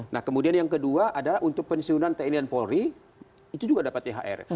nah kemudian yang kedua adalah untuk pensiunan tni dan polri itu juga dapat thr